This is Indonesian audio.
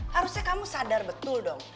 harusnya kamu sadar betul dong